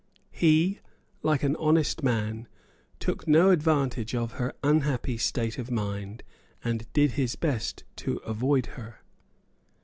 He, like an honest man, took no advantage of her unhappy state of mind, and did his best to avoid her.